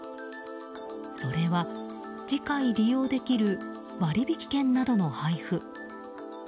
それは、次回利用できる割引券などの配布。